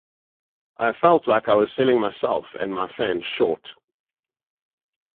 I felt like I was selling myself and my fans short.